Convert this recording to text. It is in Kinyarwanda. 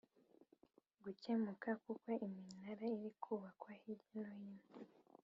gukemuka kuko iminara iri kubakwa hirya hino